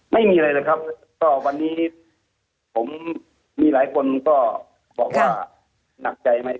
ไม่มีอะไรเลยครับก็วันนี้ผมมีหลายคนก็บอกว่าหนักใจไหม